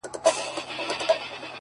او د غم پېټی دا دی تا باندې راوښويدی-